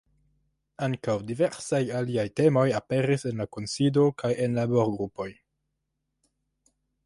Ankaŭ diversaj aliaj temoj aperis en la kunsido kaj en laborgrupoj.